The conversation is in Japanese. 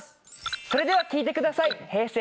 それでは聞いてくださいＨｅｙ！